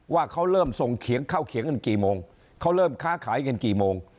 ว่าเขาเริ่มส่งเขียงเข้าเขียงกันกี่โมงเขาเริ่มค้าขายกันกี่โมง